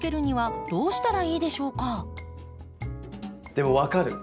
でも分かる。